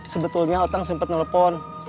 sebetulnya otang sempet nelfon